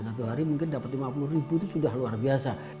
satu hari mungkin dapat lima puluh ribu itu sudah luar biasa